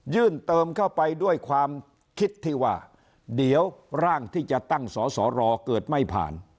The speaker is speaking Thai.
ื่นเติมเข้าไปด้วยความคิดที่ว่าเดี๋ยวร่างที่จะตั้งสอสอรอเกิดไม่ผ่าน